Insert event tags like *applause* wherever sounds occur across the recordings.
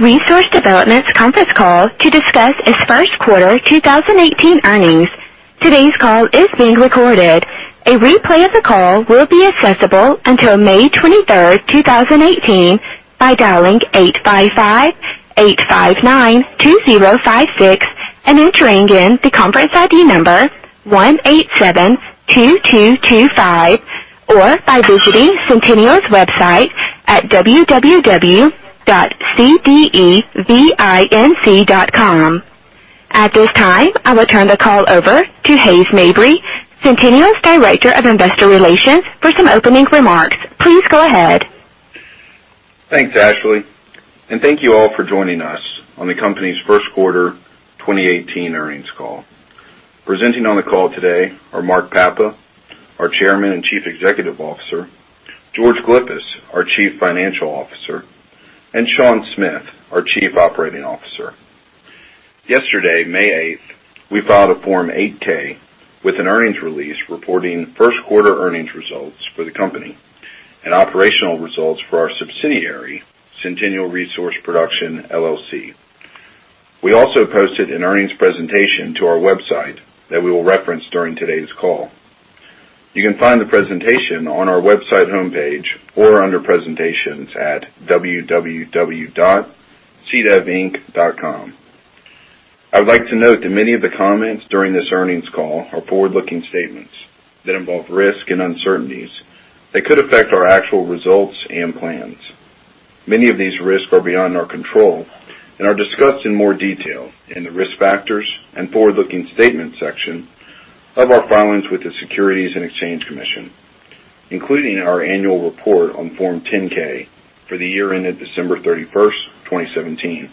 Resource Development's conference call to discuss its first quarter 2018 earnings. Today's call is being recorded. A replay of the call will be accessible until May 23rd, 2018 by dialing 855-859-2056 and entering in the conference ID number 1872225, or by visiting Centennial's website at www.cdevinc.com. At this time, I will turn the call over to Hays Mabry, Centennial's Director of Investor Relations, for some opening remarks. Please go ahead. Thanks, Ashley. Thank you all for joining us on the company's first quarter 2018 earnings call. Presenting on the call today are Mark Papa, our Chairman and Chief Executive Officer, George Glyphis, our Chief Financial Officer, and Sean Smith, our Chief Operating Officer. Yesterday, May 8th, we filed a Form 8-K with an earnings release reporting first quarter earnings results for the company and operational results for our subsidiary, Centennial Resource Production, LLC. We also posted an earnings presentation to our website that we will reference during today's call. You can find the presentation on our website homepage or under presentations at www.cdevinc.com. I would like to note that many of the comments during this earnings call are forward-looking statements that involve risk and uncertainties that could affect our actual results and plans. Many of these risks are beyond our control and are discussed in more detail in the Risk Factors and Forward-Looking Statements section of our filings with the Securities and Exchange Commission, including our annual report on Form 10-K for the year ended December 31st, 2017.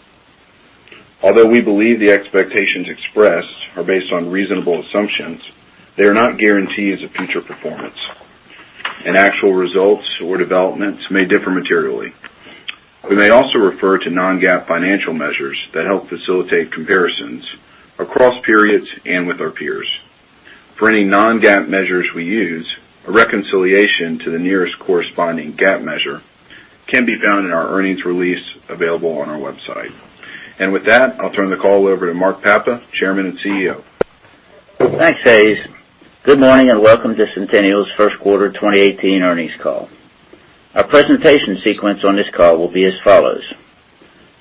Although we believe the expectations expressed are based on reasonable assumptions, they are not guarantees of future performance, and actual results or developments may differ materially. We may also refer to non-GAAP financial measures that help facilitate comparisons across periods and with our peers. For any non-GAAP measures we use, a reconciliation to the nearest corresponding GAAP measure can be found in our earnings release available on our website. With that, I'll turn the call over to Mark Papa, Chairman and CEO. Thanks, Hays. Good morning and welcome to Centennial's first quarter 2018 earnings call. Our presentation sequence on this call will be as follows.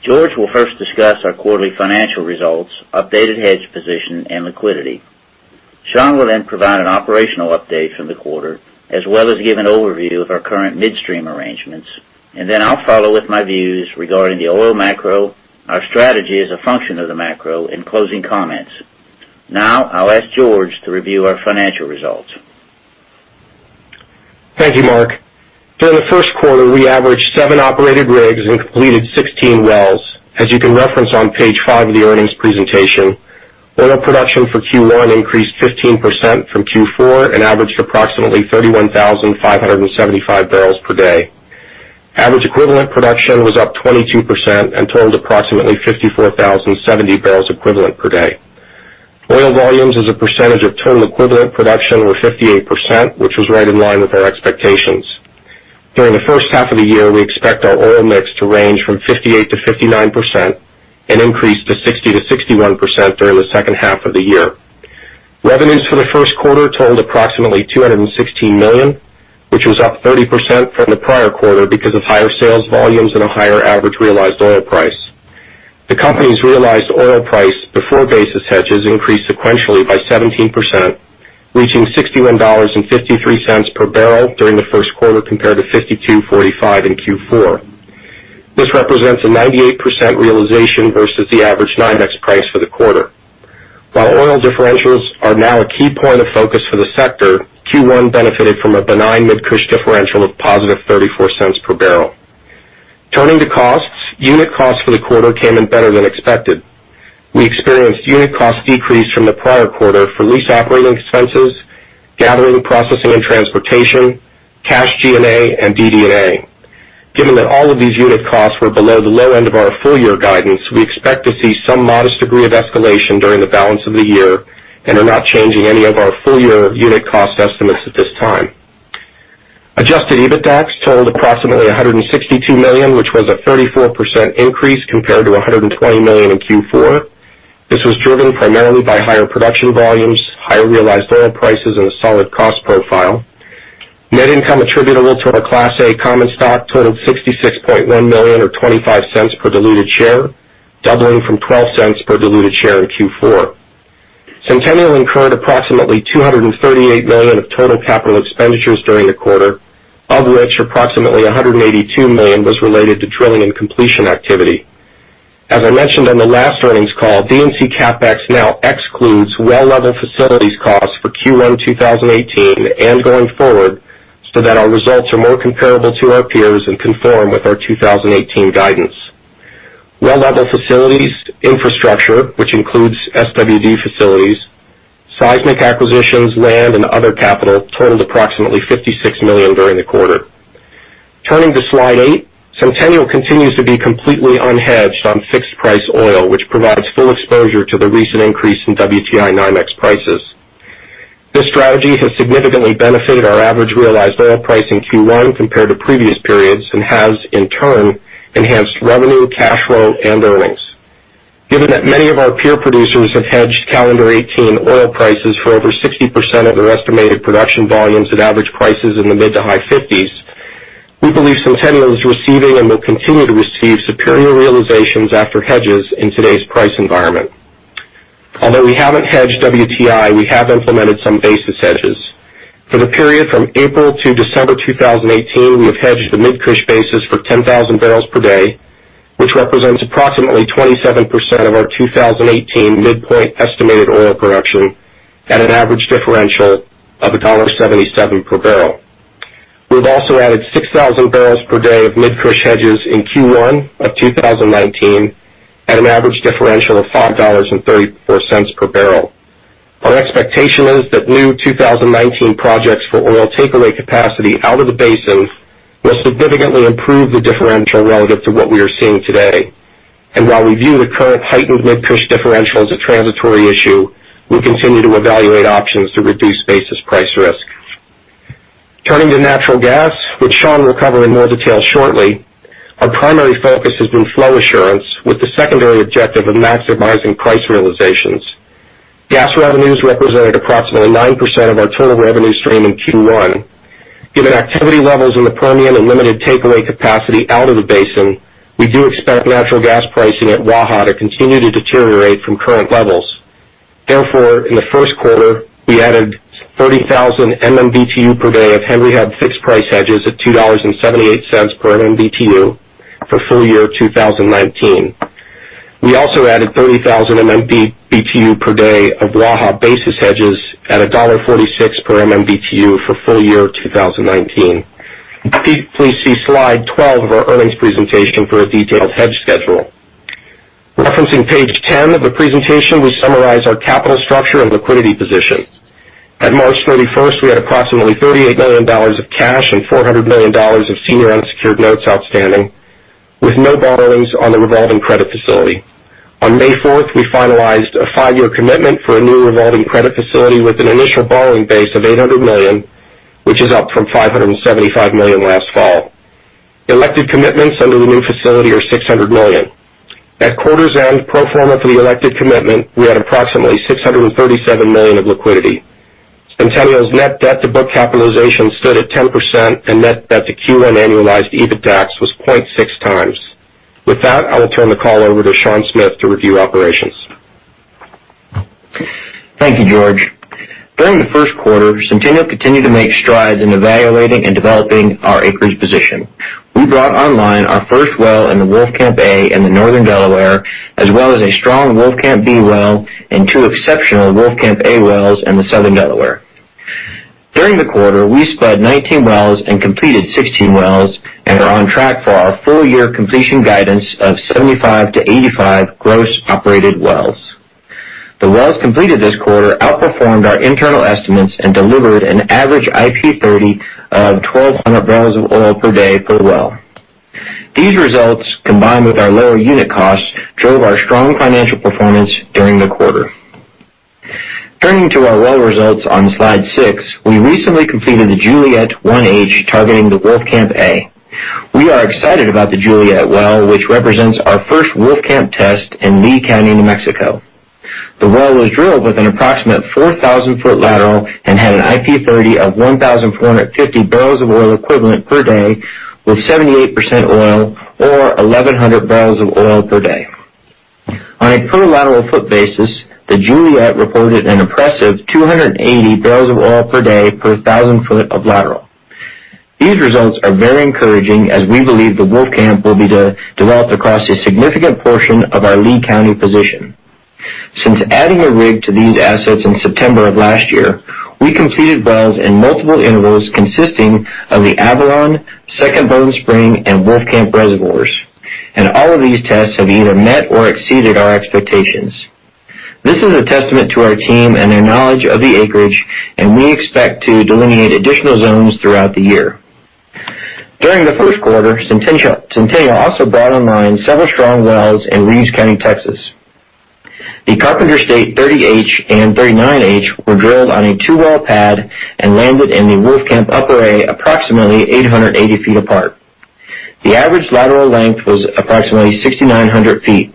George will first discuss our quarterly financial results, updated hedge position, and liquidity. Sean will then provide an operational update for the quarter, as well as give an overview of our current midstream arrangements, and then I'll follow with my views regarding the oil macro, our strategy as a function of the macro, and closing comments. Now, I'll ask George to review our financial results. Thank you, Mark. During the first quarter, we averaged seven operated rigs and completed 16 wells. As you can reference on page five of the earnings presentation, oil production for Q1 increased 15% from Q4 and averaged approximately 31,575 barrels per day. Average equivalent production was up 22% and totaled approximately 54,070 barrels equivalent per day. Oil volumes as a percentage of total equivalent production were 58%, which was right in line with our expectations. During the first half of the year, we expect our oil mix to range from 58%-59% and increase to 60%-61% during the second half of the year. Revenues for the first quarter totaled approximately $216 million, which was up 30% from the prior quarter because of higher sales volumes and a higher average realized oil price. The company's realized oil price before basis hedges increased sequentially by 17%, reaching $61.53 per barrel during the first quarter compared to $52.45 in Q4. This represents a 98% realization versus the average NYMEX price for the quarter. While oil differentials are now a key point of focus for the sector, Q1 benefited from a benign Mid-Cush differential of positive $0.34 per barrel. Turning to costs, unit costs for the quarter came in better than expected. We experienced unit cost decrease from the prior quarter for lease operating expenses, gathering, processing and transportation, cash G&A, and DD&A. Given that all of these unit costs were below the low end of our full year guidance, we expect to see some modest degree of escalation during the balance of the year and are not changing any of our full year unit cost estimates at this time. Adjusted EBITDAX totaled approximately $162 million, which was a 34% increase compared to $120 million in Q4. This was driven primarily by higher production volumes, higher realized oil prices, and a solid cost profile. Net income attributable to our Class A common stock totaled $66.1 million or $0.25 per diluted share, doubling from $0.12 per diluted share in Q4. Centennial incurred approximately $238 million of total capital expenditures during the quarter, of which approximately $182 million was related to drilling and completion activity. As I mentioned on the last earnings call, D&C CapEx now excludes well level facilities costs for Q1 2018 and going forward, so that our results are more comparable to our peers and conform with our 2018 guidance. Well level facilities infrastructure, which includes SWD facilities, seismic acquisitions, land, and other capital, totaled approximately $56 million during the quarter. Turning to slide eight, Centennial continues to be completely unhedged on fixed price oil, which provides full exposure to the recent increase in WTI NYMEX prices. This strategy has significantly benefited our average realized oil price in Q1 compared to previous periods and has, in turn, enhanced revenue, cash flow, and earnings. Given that many of our peer producers have hedged calendar 2018 oil prices for over 60% of their estimated production volumes at average prices in the mid to high 50s, we believe Centennial is receiving and will continue to receive superior realizations after hedges in today's price environment. Although we haven't hedged WTI, we have implemented some basis hedges. For the period from April to December 2018, we have hedged the Mid-Cush basis for 10,000 barrels per day, which represents approximately 27% of our 2018 midpoint estimated oil production at an average differential of $1.77 per barrel. We've also added 6,000 barrels per day of Mid-Cush hedges in Q1 of 2019 at an average differential of $5.34 per barrel. Our expectation is that new 2019 projects for oil takeaway capacity out of the basin will significantly improve the differential relative to what we are seeing today. While we view the current heightened Mid-Cush differential as a transitory issue, we continue to evaluate options to reduce basis price risk. Turning to natural gas, which Sean Smith will cover in more detail shortly, our primary focus has been flow assurance with the secondary objective of maximizing price realizations. Gas revenues represented approximately 9% of our total revenue stream in Q1. Given activity levels in the Permian and limited takeaway capacity out of the basin, we do expect natural gas pricing at WAHA to continue to deteriorate from current levels. In the first quarter, we added 30,000 MMBtu per day of Henry Hub fixed price hedges at $2.78 per MMBtu for full year 2019. We also added 30,000 MMBtu per day of WAHA basis hedges at $1.46 per MMBtu for full year 2019. Please see slide 12 of our earnings presentation for a detailed hedge schedule. Referencing page 10 of the presentation, we summarize our capital structure and liquidity position. At March 31st, we had approximately $38 million of cash and $400 million of senior unsecured notes outstanding, with no borrowings on the revolving credit facility. On May 4th, we finalized a five-year commitment for a new revolving credit facility with an initial borrowing base of $800 million, which is up from $575 million last fall. Elected commitments under the new facility are $600 million. At quarter's end, pro forma for the elected commitment, we had approximately $637 million of liquidity. Centennial's net debt to book capitalization stood at 10% and net debt to Q1 annualized EBITDAX was 0.6 times. With that, I will turn the call over to Sean Smith to review operations. Thank you, George. During the first quarter, Centennial continued to make strides in evaluating and developing our acreage position. We brought online our first well in the Wolfcamp A in the northern Delaware, as well as a strong Wolfcamp B well and two exceptional Wolfcamp A wells in the southern Delaware. During the quarter, we spud 19 wells and completed 16 wells and are on track for our full year completion guidance of 75-85 gross operated wells. The wells completed this quarter outperformed our internal estimates and delivered an average IP30 of 1,200 barrels of oil per day per well. These results, combined with our lower unit costs, drove our strong financial performance during the quarter. Turning to our well results on slide six, we recently completed the Juliet 1-H targeting the Wolfcamp A. We are excited about the Juliet well, which represents our first Wolfcamp test in Lee County, New Mexico. The well was drilled with an approximate 4,000-foot lateral and had an IP30 of 1,450 barrels of oil equivalent per day with 78% oil or 1,100 barrels of oil per day. On a per lateral foot basis, the Juliet reported an impressive 280 barrels of oil per day per thousand foot of lateral. These results are very encouraging as we believe the Wolfcamp will be developed across a significant portion of our Lee County position. Since adding a rig to these assets in September of last year, we completed wells in multiple intervals consisting of the Avalon, Second Bone Spring, and Wolfcamp reservoirs. All of these tests have either met or exceeded our expectations. This is a testament to our team and their knowledge of the acreage. We expect to delineate additional zones throughout the year. During the first quarter, Centennial also brought online several strong wells in Reeves County, Texas. The Carpenter State 30-H and 39-H were drilled on a two-well pad and landed in the Wolfcamp Upper A approximately 880 feet apart. The average lateral length was approximately 6,900 feet.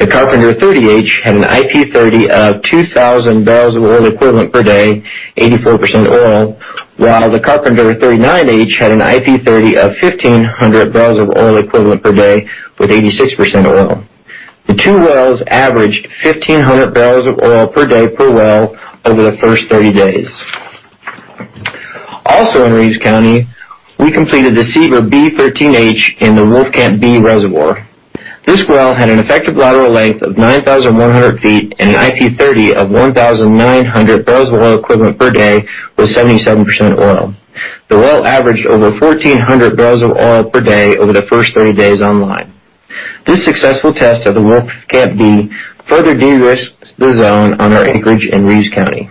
The Carpenter 30-H had an IP30 of 2,000 barrels of oil equivalent per day, 84% oil, while the Carpenter 39-H had an IP30 of 1,500 barrels of oil equivalent per day with 86% oil. The two wells averaged 1,500 barrels of oil per day per well over the first 30 days. Also in Reeves County, we completed the Sieber B 13-H in the Wolfcamp B reservoir. This well had an effective lateral length of 9,100 feet and an IP30 of 1,900 barrels of oil equivalent per day with 77% oil. The well averaged over 1,400 barrels of oil per day over the first 30 days online. This successful test of the Wolfcamp B further de-risks the zone on our acreage in Reeves County.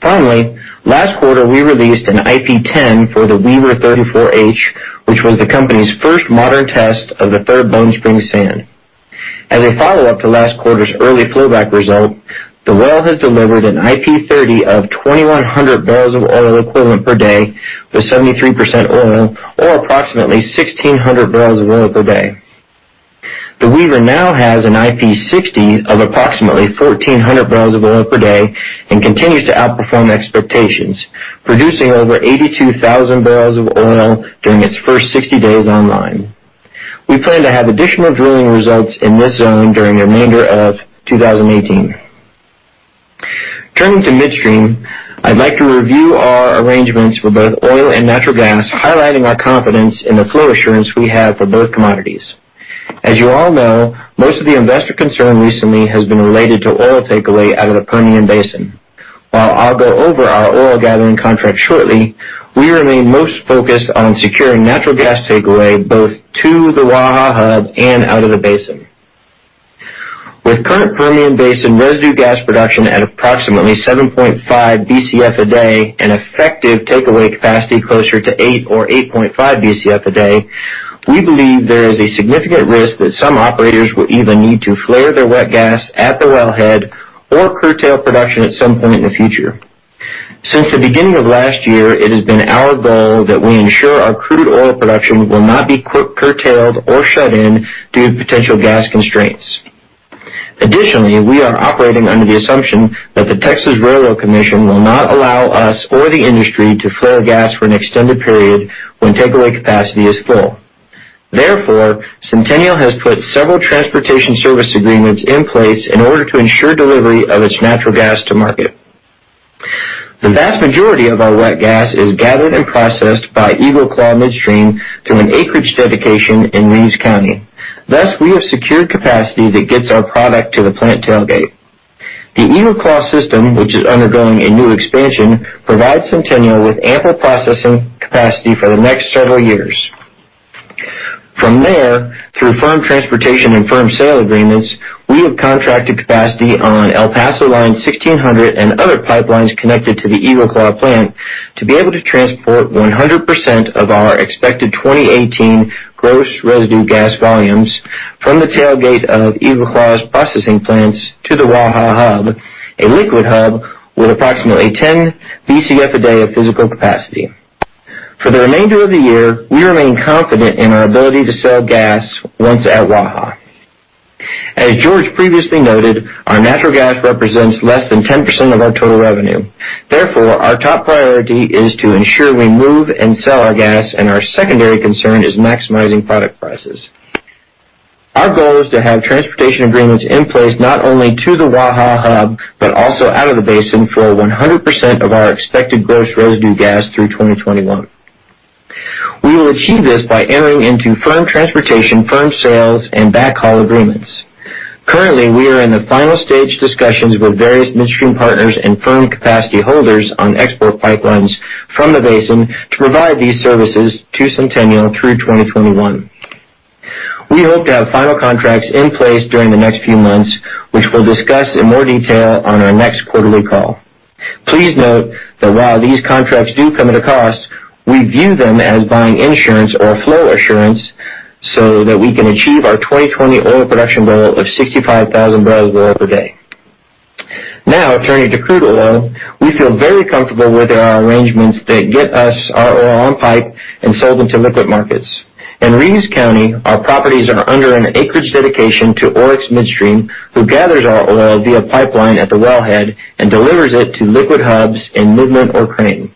Finally, last quarter, we released an IP10 for the Weaver 34-H, which was the company's first modern test of the Third Bone Spring Sand. As a follow-up to last quarter's early flowback result, the well has delivered an IP30 of 2,100 barrels of oil equivalent per day with 73% oil or approximately 1,600 barrels of oil per day. The Weaver now has an IP60 of approximately 1,400 barrels of oil per day and continues to outperform expectations, producing over 82,000 barrels of oil during its first 60 days online. We plan to have additional drilling results in this zone during the remainder of 2018. Turning to midstream, I'd like to review our arrangements for both oil and natural gas, highlighting our confidence in the flow assurance we have for both commodities. As you all know, most of the investor concern recently has been related to oil takeaway out of the Permian Basin. While I'll go over our oil gathering contract shortly, we remain most focused on securing natural gas takeaway both to the WAHA hub and out of the basin. With current Permian Basin residue gas production at approximately 7.5 Bcf a day and effective takeaway capacity closer to 8 or 8.5 Bcf a day, we believe there is a significant risk that some operators will either need to flare their wet gas at the wellhead or curtail production at some point in the future. Since the beginning of last year, it has been our goal that we ensure our crude oil production will not be curtailed or shut in due to potential gas constraints. Additionally, we are operating under the assumption that the Railroad Commission of Texas will not allow us or the industry to flare gas for an extended period when takeaway capacity is full. Therefore, Centennial has put several transportation service agreements in place in order to ensure delivery of its natural gas to market. The vast majority of our wet gas is gathered and processed by EagleClaw Midstream through an acreage dedication in Reeves County. Thus, we have secured capacity that gets our product to the plant tailgate. The EagleClaw system, which is undergoing a new expansion, provides Centennial with ample processing capacity for the next several years. From there, through firm transportation and firm sale agreements, we have contracted capacity on El Paso Line 1600 and other pipelines connected to the EagleClaw plant to be able to transport 100% of our expected 2018 gross residue gas volumes from the tailgate of EagleClaw's processing plants to the WAHA hub, a liquid hub with approximately 10 Bcf a day of physical capacity. For the remainder of the year, we remain confident in our ability to sell gas once at WAHA. As George previously noted, our natural gas represents less than 10% of our total revenue. Therefore, our top priority is to ensure we move and sell our gas, and our secondary concern is maximizing product prices. Our goal is to have transportation agreements in place, not only to the WAHA hub, but also out of the basin for 100% of our expected gross residue gas through 2021. We will achieve this by entering into firm transportation, firm sales, and backhaul agreements. Currently, we are in the final stage discussions with various midstream partners and firm capacity holders on export pipelines from the basin to provide these services to Centennial through 2021. We hope to have final contracts in place during the next few months, which we'll discuss in more detail on our next quarterly call. Please note that while these contracts do come at a cost, we view them as buying insurance or flow assurance so that we can achieve our 2020 oil production goal of 65,000 barrels of oil per day. Now, turning to crude oil, we feel very comfortable with our arrangements that get us our oil on pipe and sold into liquid markets. In Reeves County, our properties are under an acreage dedication to Oryx Midstream, who gathers our oil via pipeline at the wellhead and delivers it to liquid hubs in Midland or Crane.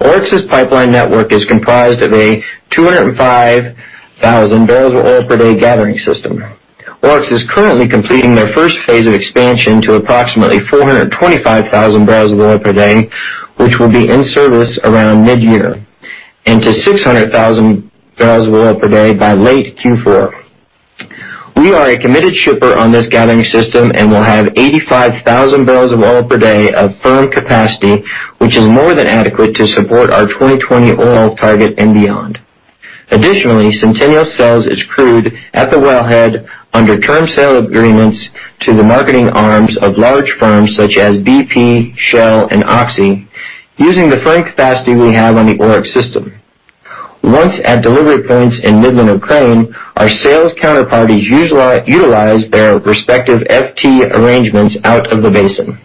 Oryx's pipeline network is comprised of a 205,000 barrels of oil per day gathering system. Oryx is currently completing their first phase of expansion to approximately 425,000 barrels of oil per day, which will be in service around mid-year, and to 600,000 barrels of oil per day by late Q4. We are a committed shipper on this gathering system and will have 85,000 barrels of oil per day of firm capacity, which is more than adequate to support our 2020 oil target and beyond. Additionally, Centennial sells its crude at the wellhead under term sale agreements to the marketing arms of large firms such as BP, Shell, and Oxy, using the firm capacity we have on the Oryx system. Once at delivery points in Midland or Crane, our sales counterparties utilize their respective FT arrangements out of the basin.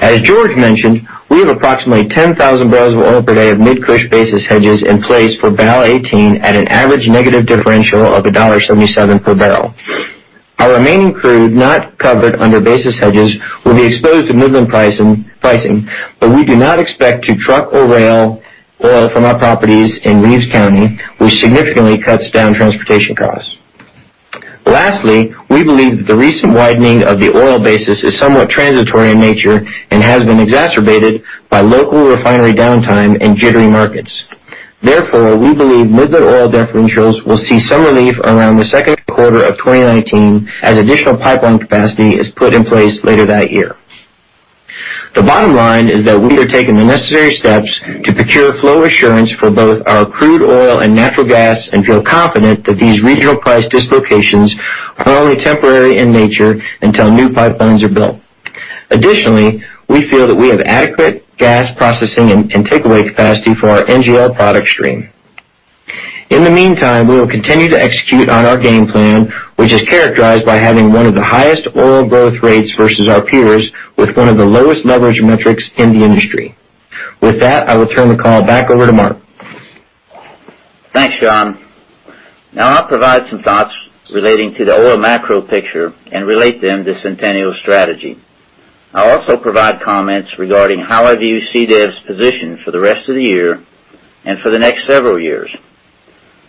As George mentioned, we have approximately 10,000 barrels of oil per day of Mid-Cush basis hedges in place for *audio distortion* 2018 at an average negative differential of $1.77 per barrel. Our remaining crude not covered under basis hedges will be exposed to Midland pricing, but we do not expect to truck or rail oil from our properties in Reeves County, which significantly cuts down transportation costs. Lastly, we believe that the recent widening of the oil basis is somewhat transitory in nature and has been exacerbated by local refinery downtime and jittery markets. Therefore, we believe Midland oil differentials will see some relief around the second quarter of 2019 as additional pipeline capacity is put in place later that year. The bottom line is that we are taking the necessary steps to procure flow assurance for both our crude oil and natural gas and feel confident that these regional price dislocations are only temporary in nature until new pipelines are built. Additionally, we feel that we have adequate gas processing and takeaway capacity for our NGL product stream. In the meantime, we will continue to execute on our game plan, which is characterized by having one of the highest oil growth rates versus our peers with one of the lowest leverage metrics in the industry. With that, I will turn the call back over to Mark. Thanks, Sean. Now I'll provide some thoughts relating to the oil macro picture and relate them to Centennial's strategy. I'll also provide comments regarding how I view CDEV's position for the rest of the year and for the next several years.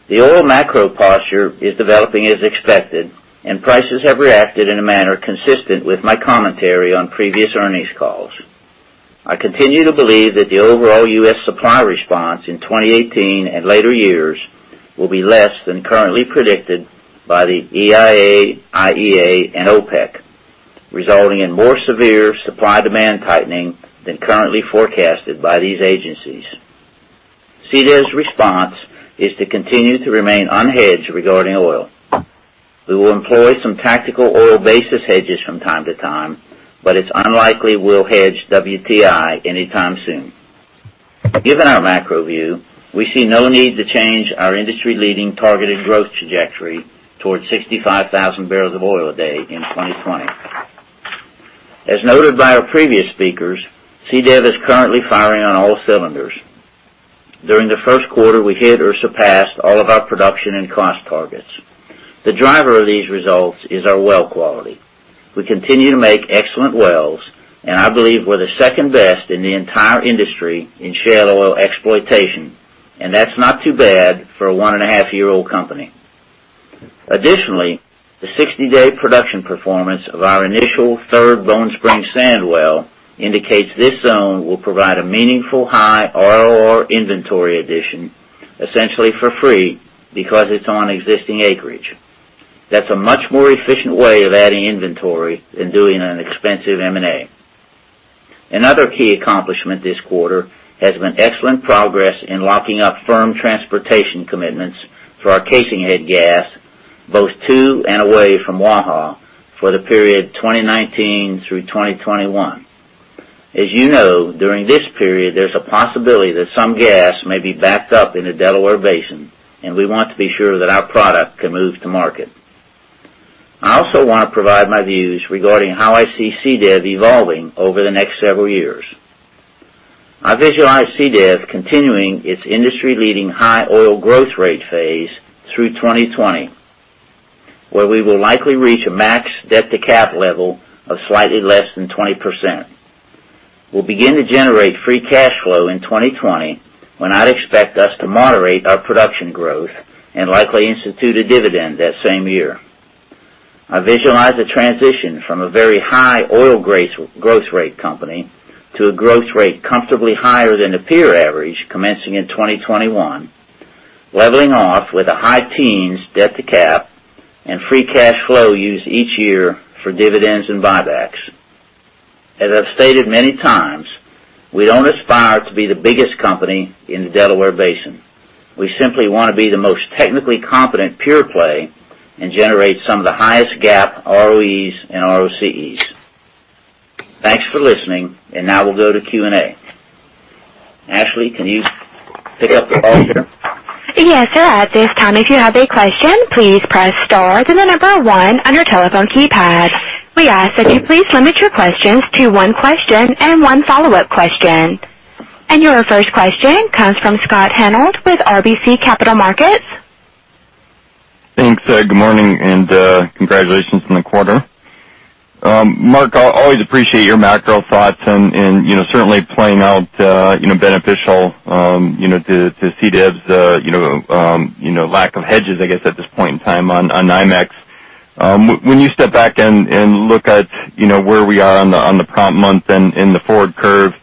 The oil macro posture is developing as expected, and prices have reacted in a manner consistent with my commentary on previous earnings calls. I continue to believe that the overall U.S. supply response in 2018 and later years will be less than currently predicted by the EIA, IEA and OPEC, resulting in more severe supply-demand tightening than currently forecasted by these agencies. CDEV's response is to continue to remain unhedged regarding oil. We will employ some tactical oil basis hedges from time to time, but it's unlikely we'll hedge WTI anytime soon. Given our macro view, we see no need to change our industry-leading targeted growth trajectory towards 65,000 barrels of oil a day in 2020. As noted by our previous speakers, CDEV is currently firing on all cylinders. During the first quarter, we hit or surpassed all of our production and cost targets. The driver of these results is our well quality. We continue to make excellent wells, and I believe we're the second best in the entire industry in shale oil exploitation, and that's not too bad for a one-and-a-half-year-old company. Additionally, the 60-day production performance of our initial Third Bone Spring Sand well indicates this zone will provide a meaningful high ROR inventory addition, essentially for free, because it's on existing acreage. That's a much more efficient way of adding inventory than doing an expensive M&A. Another key accomplishment this quarter has been excellent progress in locking up firm transportation commitments for our casing head gas, both to and away from Waha, for the period 2019 through 2021. As you know, during this period, there's a possibility that some gas may be backed up in the Delaware Basin, and we want to be sure that our product can move to market. I also want to provide my views regarding how I see CDEV evolving over the next several years. I visualize CDEV continuing its industry-leading high oil growth rate phase through 2020, where we will likely reach a max debt-to-cap level of slightly less than 20%. We'll begin to generate free cash flow in 2020, when I'd expect us to moderate our production growth and likely institute a dividend that same year. I visualize the transition from a very high oil growth rate company to a growth rate comfortably higher than the peer average commencing in 2021, leveling off with a high teens debt-to-cap and free cash flow used each year for dividends and buybacks. As I've stated many times, we don't aspire to be the biggest company in the Delaware Basin. We simply want to be the most technically competent pure play and generate some of the highest GAAP ROEs and ROCEs. Thanks for listening, and now we'll go to Q&A. Ashley, can you pick up the call here? Yes, sir. At this time, if you have a question, please press star then the number one on your telephone keypad. We ask that you please limit your questions to one question and one follow-up question. Your first question comes from Scott Hanold with RBC Capital Markets. Thanks. Good morning, congratulations on the quarter. Mark, I always appreciate your macro thoughts and certainly playing out beneficial to CDEV's lack of hedges, I guess, at this point in time on NYMEX. When you step back and look at where we are on the prompt month and the forward curve,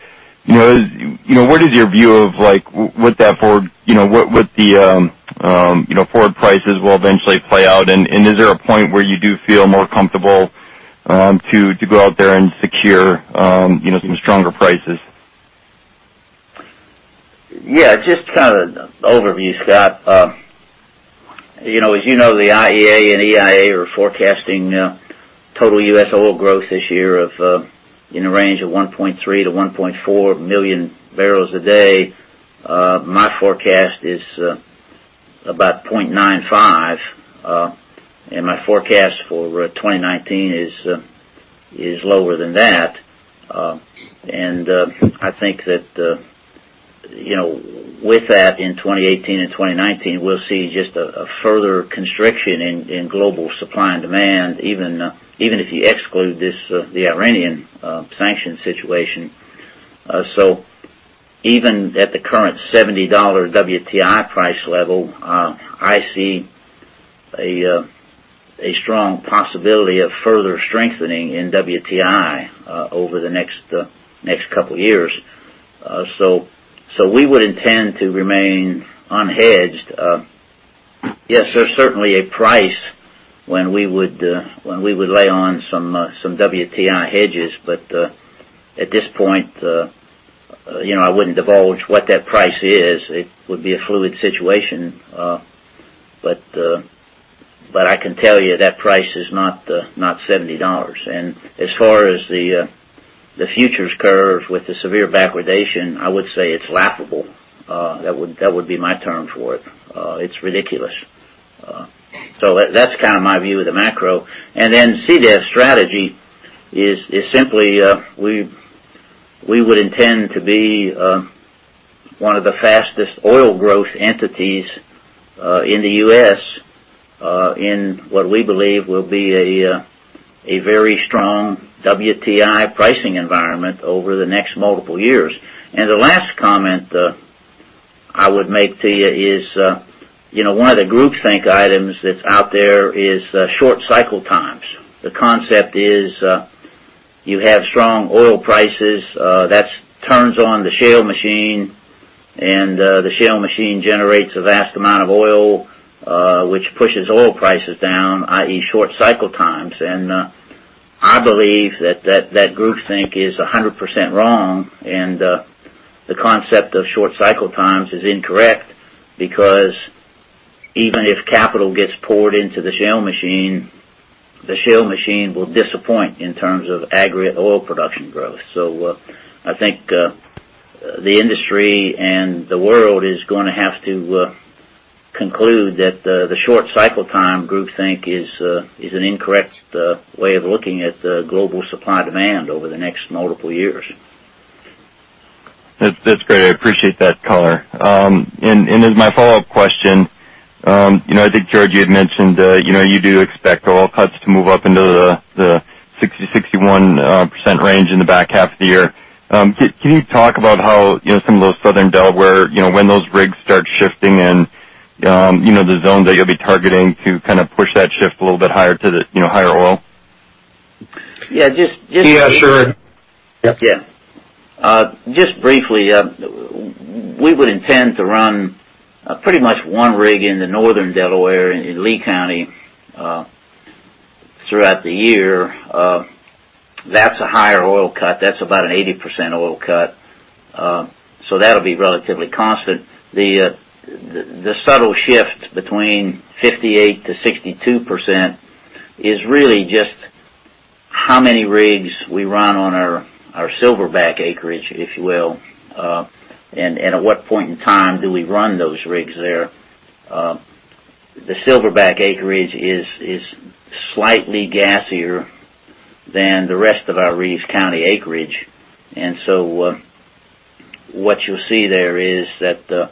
what is your view of what the forward prices will eventually play out, and is there a point where you do feel more comfortable to go out there and secure some stronger prices? Yeah. Just overview, Scott. As you know, the IEA and EIA are forecasting total U.S. oil growth this year in a range of 1.3 million-1.4 million barrels a day. My forecast is about 0.95, and my forecast for 2019 is lower than that. I think that with that, in 2018 and 2019, we'll see just a further constriction in global supply and demand, even if you exclude the Iranian sanction situation. Even at the current $70 WTI price level, I see a strong possibility of further strengthening in WTI over the next couple of years. We would intend to remain unhedged. Yes, there's certainly a price when we would lay on some WTI hedges, but at this point, I wouldn't divulge what that price is. It would be a fluid situation. But I can tell you that price is not $70. As far as the futures curve with the severe backwardation, I would say it's laughable. That would be my term for it. It's ridiculous. That's my view of the macro. Then CDEV strategy is simply, we would intend to be one of the fastest oil growth entities in the U.S., in what we believe will be a very strong WTI pricing environment over the next multiple years. The last comment I would make, [to you], is one of the groupthink items that's out there is short cycle times. The concept is you have strong oil prices, that turns on the shale machine, and the shale machine generates a vast amount of oil, which pushes oil prices down, i.e., short cycle times. I believe that groupthink is 100% wrong, and the concept of short cycle times is incorrect, because even if capital gets poured into the shale machine, the shale machine will disappoint in terms of aggregate oil production growth. I think the industry and the world is going to have to conclude that the short cycle time groupthink is an incorrect way of looking at global supply demand over the next multiple years. That's great. I appreciate that color. As my follow-up question, I think, George, you had mentioned you do expect oil cuts to move up into the 60%-61% range in the back half of the year. Can you talk about how some of those Southern Delaware, when those rigs start shifting and the zone that you'll be targeting to push that shift a little bit higher to the higher oil? Yeah. Yeah, sure. Yeah. Just briefly, we would intend to run pretty much one rig in the Northern Delaware, in Lee County, throughout the year. That's a higher oil cut. That's about an 80% oil cut. That'll be relatively constant. The subtle shift between 58%-62% is really just how many rigs we run on our Silverback acreage, if you will, and at what point in time do we run those rigs there. The Silverback acreage is slightly gassier than the rest of our Reeves County acreage. What you'll see there is that,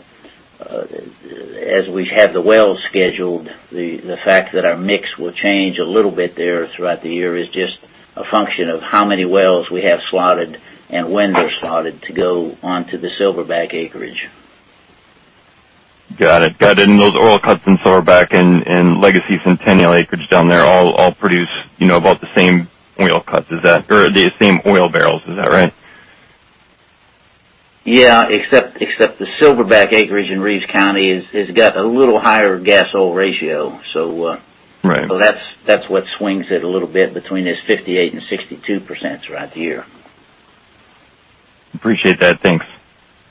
as we have the wells scheduled, the fact that our mix will change a little bit there throughout the year is just a function of how many wells we have slotted, and when they're slotted to go onto the Silverback acreage. Got it. Those oil cuts in Silverback and Legacy Centennial acreage down there all produce about the same oil cuts, or the same oil barrels, is that right? Yeah, except the Silverback acreage in Reeves County has got a little higher gas-oil ratio. Right. That's what swings it a little bit between this 58%-62% throughout the year. Appreciate that. Thanks.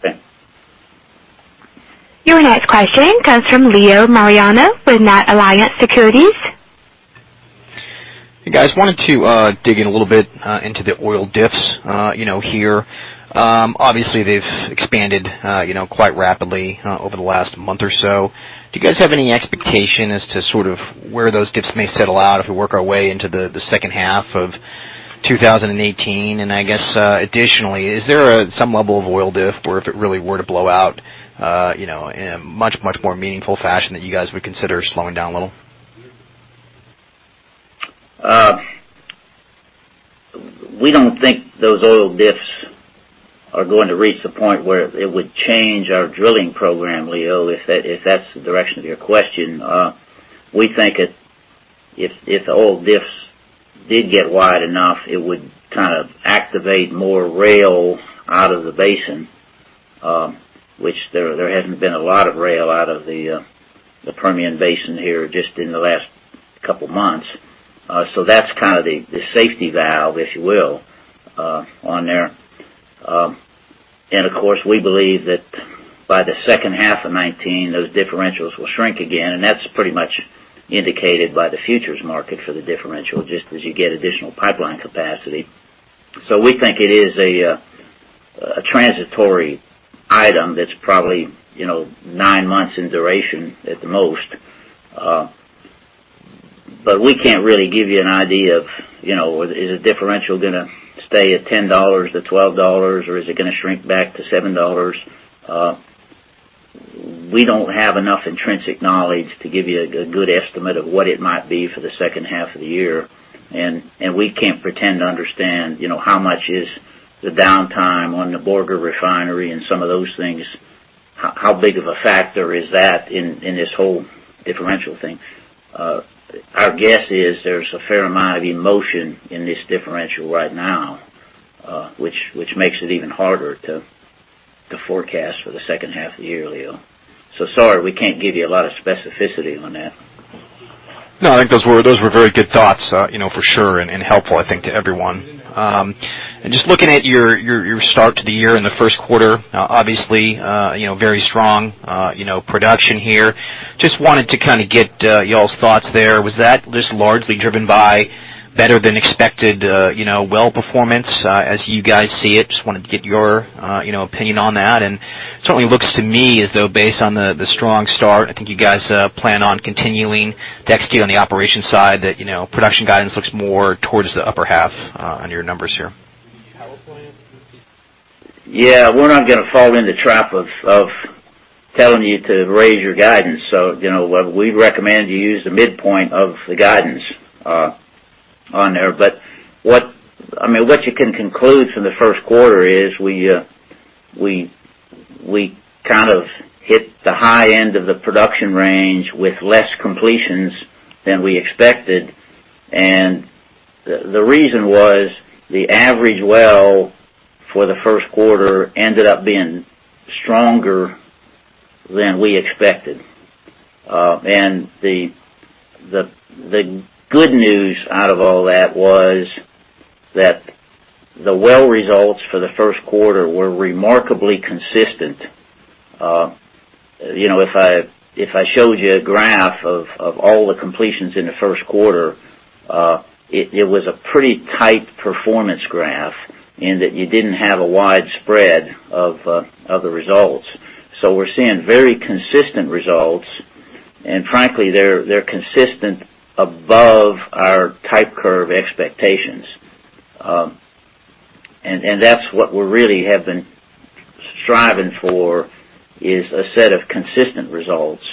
Okay. Your next question comes from Leo Mariani with NatAlliance Securities. Hey, guys. Wanted to dig in a little bit into the oil diffs here. Obviously, they've expanded quite rapidly over the last month or so. Do you guys have any expectation as to where those diffs may settle out if we work our way into the second half of 2018? Additionally, is there some level of oil diff, where if it really were to blow out, in a much, much more meaningful fashion, that you guys would consider slowing down a little? We don't think those oil diffs are going to reach the point where it would change our drilling program, Leo, if that's the direction of your question. We think if oil diffs did get wide enough, it would activate more rail out of the basin, which there hasn't been a lot of rail out of the Permian Basin here just in the last couple of months. That's the safety valve, if you will, on there. We believe that by the second half of 2019, those differentials will shrink again, and that's pretty much indicated by the futures market for the differential, just as you get additional pipeline capacity. We think it is a transitory item that's probably nine months in duration at the most. We can't really give you an idea of, is the differential going to stay at $10-$12, or is it going to shrink back to $7? We don't have enough intrinsic knowledge to give you a good estimate of what it might be for the second half of the year, and we can't pretend to understand how much is the downtime on the Borger Refinery and some of those things. How big of a factor is that in this whole differential thing? Our guess is there's a fair amount of emotion in this differential right now which makes it even harder to forecast for the second half of the year, Leo. Sorry, we can't give you a lot of specificity on that. No, I think those were very good thoughts, for sure, and helpful, I think, to everyone. Just looking at your start to the year in the first quarter, obviously, very strong production here. Just wanted to get you all's thoughts there. Was that just largely driven by better than expected well performance as you guys see it. Just wanted to get your opinion on that. Certainly looks to me as though based on the strong start, I think you guys plan on continuing to execute on the operations side, that production guidance looks more towards the upper half on your numbers here. Yeah. We're not going to fall in the trap of telling you to raise your guidance. What we'd recommend you use the midpoint of the guidance on there. What you can conclude from the first quarter is we hit the high end of the production range with less completions than we expected, and the reason was the average well for the first quarter ended up being stronger than we expected. The good news out of all that was that the well results for the first quarter were remarkably consistent. If I showed you a graph of all the completions in the first quarter, it was a pretty tight performance graph in that you didn't have a wide spread of the results. We're seeing very consistent results, and frankly, they're consistent above our type curve expectations. That's what we really have been striving for, is a set of consistent results.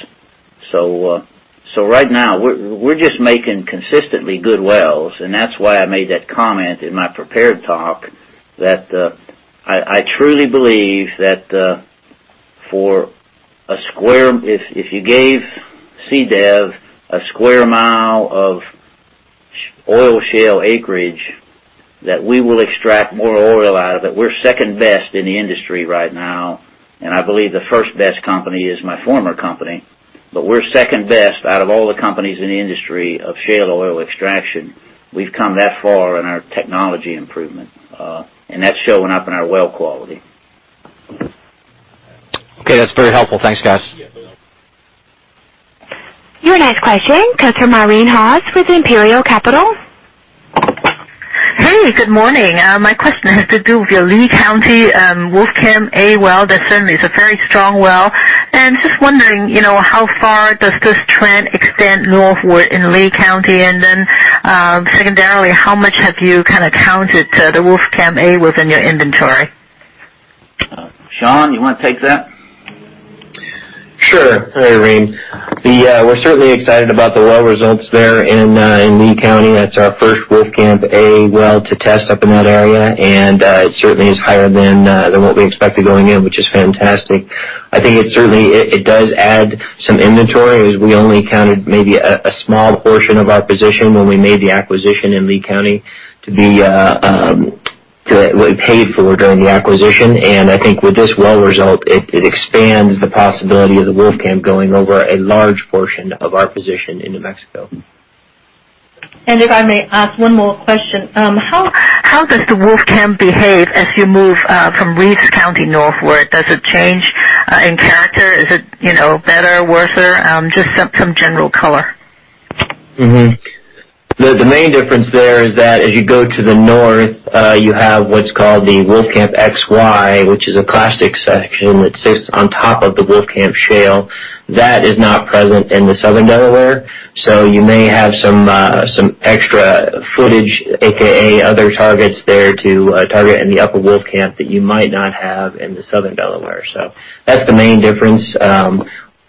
Right now, we're just making consistently good wells, and that's why I made that comment in my prepared talk that I truly believe that if you gave CDEV a square mile of oil shale acreage, that we will extract more oil out of it. We're second best in the industry right now, and I believe the first-best company is my former company, but we're second best out of all the companies in the industry of shale oil extraction. We've come that far in our technology improvement. That's showing up in our well quality. Okay. That's very helpful. Thanks, guys. Your next question comes from Irene Haas with Imperial Capital. Hey, good morning. My question has to do with your Lee County Wolfcamp A well. That certainly is a very strong well, and just wondering, how far does this trend extend northward in Lee County? Secondarily, how much have you counted the Wolfcamp A within your inventory? Sean, you want to take that? Sure. Hey, Irene. We're certainly excited about the well results there in Lee County. That's our first Wolfcamp A well to test up in that area, and it certainly is higher than what we expected going in, which is fantastic. I think it certainly does add some inventory, as we only counted maybe a small portion of our position when we made the acquisition in Lee County that we paid for during the acquisition. I think with this well result, it expands the possibility of the Wolfcamp going over a large portion of our position in New Mexico. If I may ask one more question. How does the Wolfcamp behave as you move from Reeves County northward? Does it change in character? Is it better or worse? Just some general color. The main difference there is that as you go to the north, you have what's called the Wolfcamp XY, which is a classic section that sits on top of the Wolfcamp shale. That is not present in the Southern Delaware, so you may have some extra footage, AKA other targets there to target in the Upper Wolfcamp that you might not have in the Southern Delaware. That's the main difference.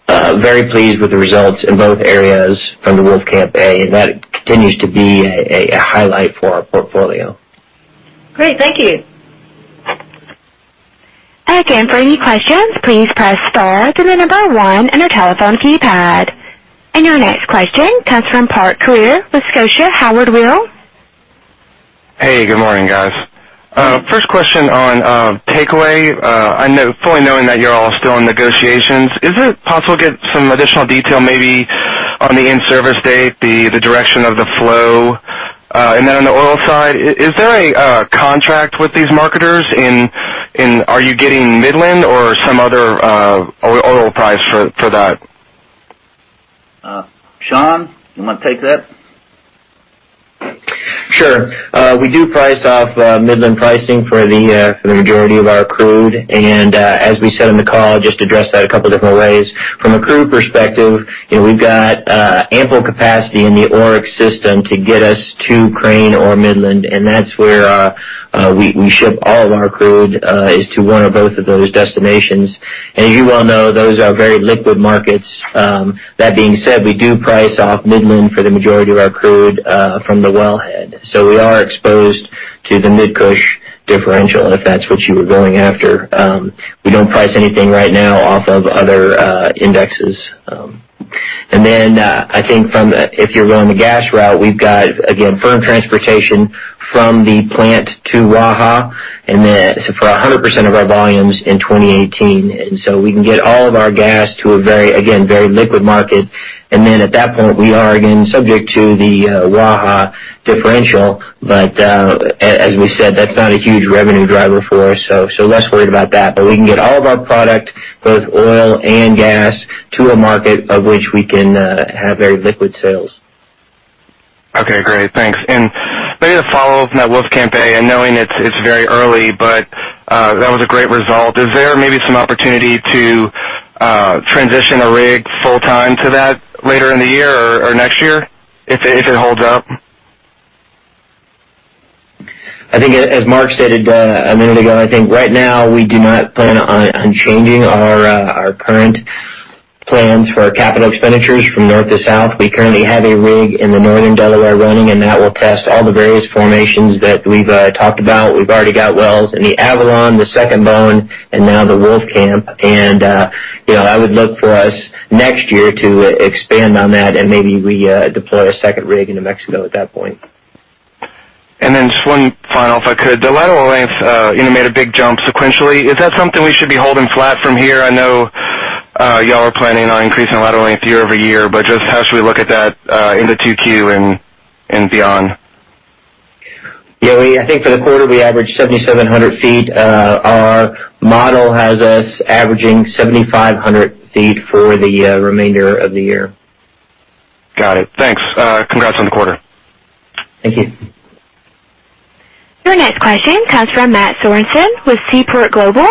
Very pleased with the results in both areas from the Wolfcamp A, that continues to be a highlight for our portfolio. Great. Thank you. Again, for any questions, please press star, then the number 1 on your telephone keypad. Your next question comes from Park Clear with Scotia Howard Weil. Hey, good morning, guys. First question on Takeaway. Fully knowing that you're all still in negotiations, is it possible to get some additional detail, maybe on the in-service date, the direction of the flow? Then on the oil side, is there a contract with these marketers? Are you getting Midland or some other oil price for that? Sean, you want to take that? Sure. We do price off Midland pricing for the majority of our crude, as we said in the call, just to address that a couple different ways. From a crude perspective, we've got ample capacity in the Oryx system to get us to Crane or Midland, that's where we ship all of our crude, is to one or both of those destinations. As you well know, those are very liquid markets. That being said, we do price off Midland for the majority of our crude from the wellhead. We are exposed to the Mid-Cush differential, if that's what you were going after. We don't price anything right now off of other indexes. Then, I think if you're going the gas route, we've got, again, firm transportation from the plant to Waha, for 100% of our volumes in 2018. We can get all of our gas to a, again, very liquid market. At that point, we are again subject to the Waha differential. As we said, that's not a huge revenue driver for us, less worried about that. We can get all of our product Both oil and gas to a market of which we can have very liquid sales. Okay, great. Thanks. Maybe a follow-up on that Wolfcamp A, knowing it's very early, that was a great result. Is there maybe some opportunity to transition a rig full time to that later in the year or next year if it holds up? As Mark stated a minute ago, I think right now we do not plan on changing our current plans for our capital expenditures from north to south. We currently have a rig in the northern Delaware running, and that will test all the various formations that we've talked about. We've already got wells in the Avalon, the Second Bone, and now the Wolfcamp. I would look for us next year to expand on that and maybe we deploy a second rig into Mexico at that point. Just one final, if I could. The lateral length made a big jump sequentially. Is that something we should be holding flat from here? I know y'all are planning on increasing the lateral length year-over-year, but just how should we look at that into 2Q and beyond? I think for the quarter, we averaged 7,700 feet. Our model has us averaging 7,500 feet for the remainder of the year. Got it. Thanks. Congrats on the quarter. Thank you. Your next question comes from Matthew Sorensen with Seaport Global.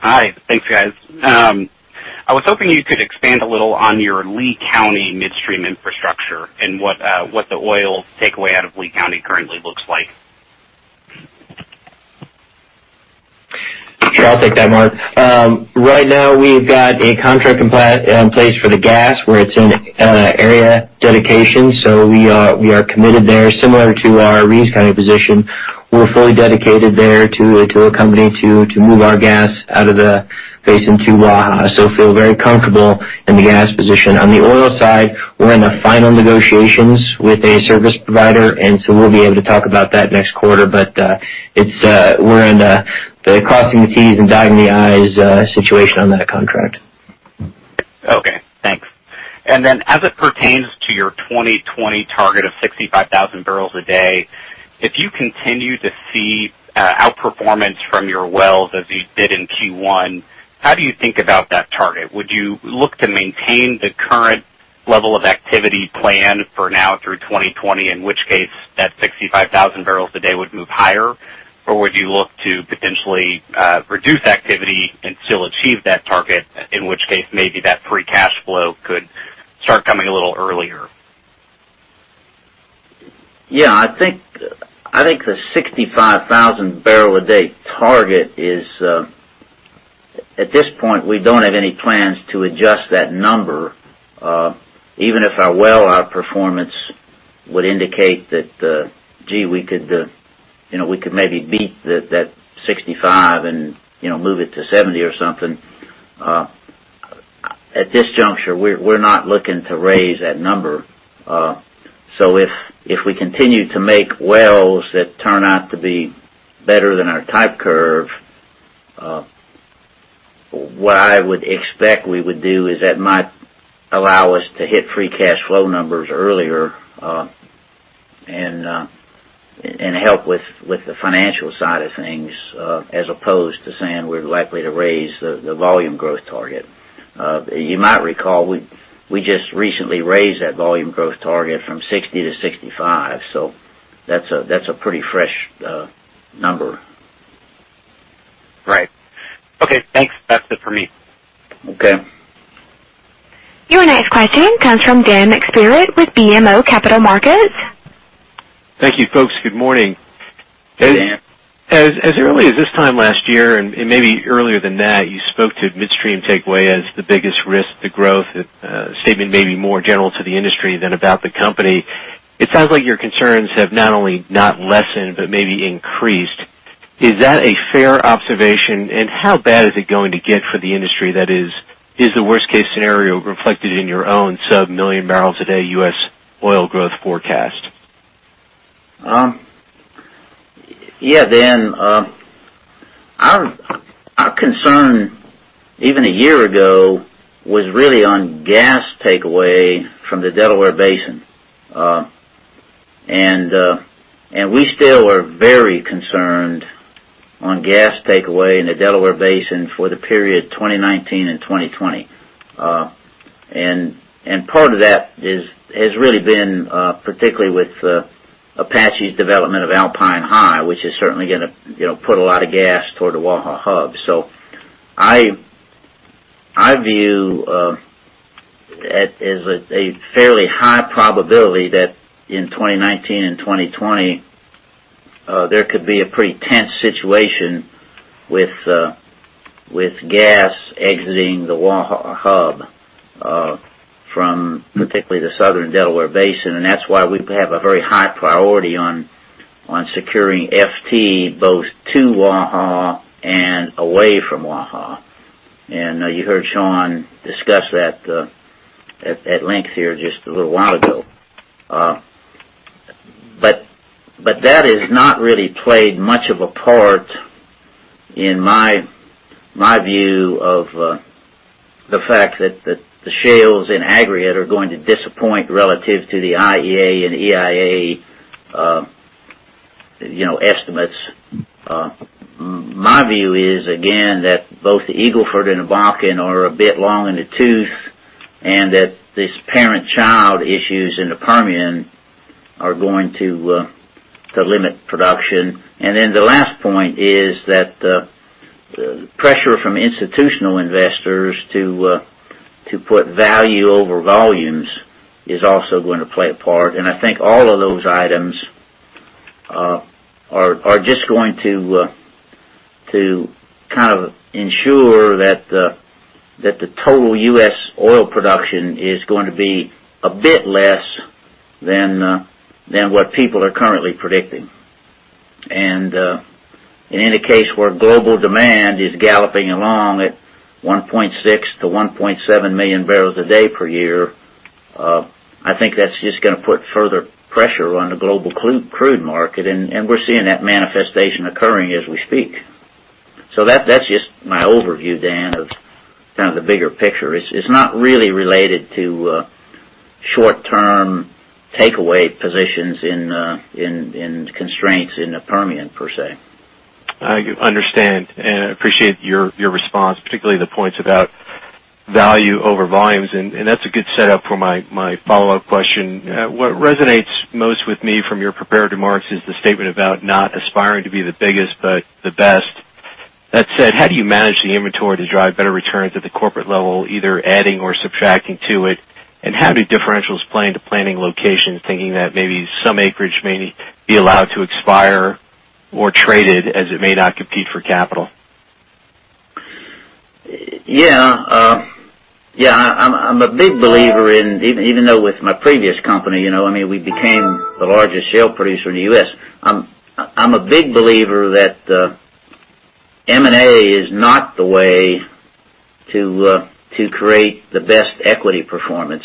Hi. Thanks, guys. I was hoping you could expand a little on your Lee County midstream infrastructure and what the oil takeaway out of Lee County currently looks like. Sure. I'll take that, Mark. Right now, we've got a contract in place for the gas where it's in area dedication. We are committed there similar to our Reeves County position. We're fully dedicated there to a company to move our gas out of the basin to WAHA. Feel very comfortable in the gas position. On the oil side, we're in the final negotiations with a service provider. We'll be able to talk about that next quarter. We're in the crossing the Ts and dotting the Is situation on that contract. Okay, thanks. As it pertains to your 2020 target of 65,000 barrels a day, if you continue to see outperformance from your wells as you did in Q1, how do you think about that target? Would you look to maintain the current level of activity planned for now through 2020, in which case that 65,000 barrels a day would move higher? Or would you look to potentially reduce activity and still achieve that target, in which case maybe that free cash flow could start coming a little earlier? Yeah, I think the 65,000 barrel a day target is. At this point, we don't have any plans to adjust that number. Even if our well out performance would indicate that, gee, we could maybe beat that 65 and move it to 70 or something. At this juncture, we're not looking to raise that number. If we continue to make wells that turn out to be better than our type curve, what I would expect we would do is that might allow us to hit free cash flow numbers earlier, and help with the financial side of things, as opposed to saying we're likely to raise the volume growth target. You might recall, we just recently raised that volume growth target from 60 to 65, so that's a pretty fresh number. Right. Okay, thanks. That's it for me. Okay. Your next question comes from Daniel McSpirit with BMO Capital Markets. Thank you, folks. Good morning. As early as this time last year and maybe earlier than that, you spoke to midstream takeaway as the biggest risk to growth. A statement may be more general to the industry than about the company. It sounds like your concerns have not only not lessened but maybe increased. Is that a fair observation, and how bad is it going to get for the industry? That is the worst-case scenario reflected in your own sub-million barrels a day U.S. oil growth forecast? Yeah, Dan. Our concern, even a year ago, was really on gas takeaway from the Delaware Basin. We still are very concerned on gas takeaway in the Delaware Basin for the period 2019 and 2020. Part of that has really been particularly with Apache's development of Alpine High, which is certainly going to put a lot of gas toward the WAHA hub. I view as a fairly high probability that in 2019 and 2020, there could be a pretty tense situation with gas exiting the WAHA hub from particularly the southern Delaware Basin, that's why we have a very high priority on securing FT both to WAHA and away from WAHA. You heard Sean discuss that at length here just a little while ago. That has not really played much of a part in my view of the fact that the shales in aggregate are going to disappoint relative to the IEA and EIA estimates. My view is, again, that both the Eagle Ford and the Bakken are a bit long in the tooth, that these parent-child issues in the Permian are going to limit production. The last point is that the pressure from institutional investors to put value over volumes is also going to play a part. I think all of those items are just going to ensure that the total U.S. oil production is going to be a bit less than what people are currently predicting. In any case where global demand is galloping along at 1.6 to 1.7 million barrels a day per year, I think that's just going to put further pressure on the global crude market, we're seeing that manifestation occurring as we speak. That's just my overview, Dan, of the bigger picture. It's not really related to short-term takeaway positions in constraints in the Permian, per se. I understand, I appreciate your response, particularly the points about value over volumes. That's a good setup for my follow-up question. What resonates most with me from your prepared remarks is the statement about not aspiring to be the biggest, but the best. That said, how do you manage the inventory to drive better returns at the corporate level, either adding or subtracting to it? How do differentials play into planning location, thinking that maybe some acreage may be allowed to expire or traded as it may not compete for capital? I'm a big believer in, even though with my previous company, we became the largest shale producer in the U.S. I'm a big believer that M&A is not the way to create the best equity performance.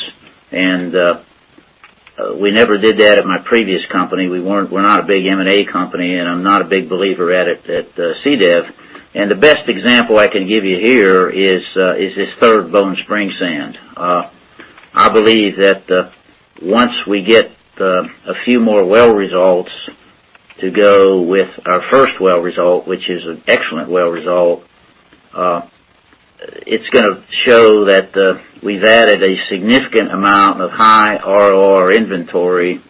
We never did that at my previous company. We're not a big M&A company, and I'm not a big believer at it at CDEV. The best example I can give you here is this Third Bone Spring Sand. I believe that once we get a few more well results to go with our first well result, which is an excellent well result, it's going to show that we've added a significant amount of high ROR inventory,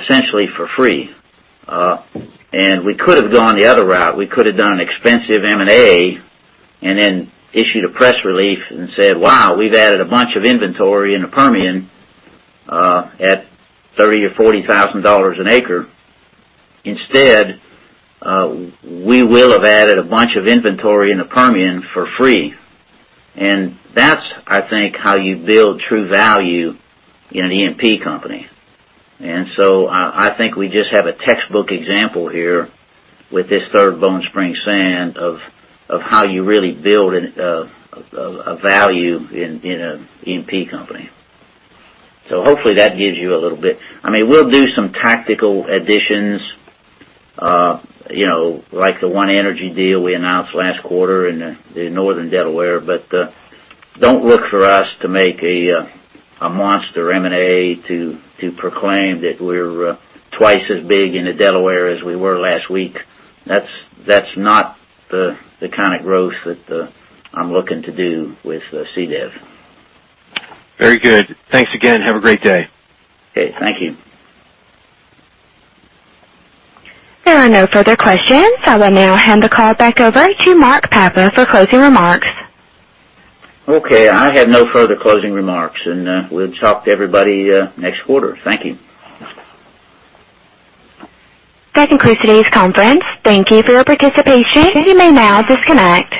essentially for free. We could have gone the other route. We could have done an expensive M&A, then issued a press release and said, "Wow, we've added a bunch of inventory in the Permian at 30 or $40,000 an acre." Instead, we will have added a bunch of inventory in the Permian for free. That's, I think, how you build true value in an E&P company. I think we just have a textbook example here with this Third Bone Spring Sand of how you really build a value in an E&P company. Hopefully that gives you a little bit. We'll do some tactical additions, like the WPX Energy deal we announced last quarter in the Northern Delaware, but don't look for us to make a monster M&A to proclaim that we're twice as big in the Delaware as we were last week. That's not the kind of growth that I'm looking to do with CDEV. Very good. Thanks again. Have a great day. Okay. Thank you. There are no further questions. I will now hand the call back over to Mark Papa for closing remarks. Okay. I have no further closing remarks, and we'll talk to everybody next quarter. Thank you. That concludes today's conference. Thank you for your participation. You may now disconnect.